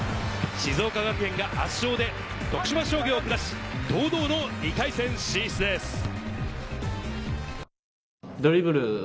静岡学園が圧勝で徳島商業をくだし、堂々の２回戦進出です。